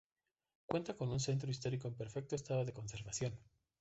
Cuenta con un centro histórico en perfecto estado de conservación.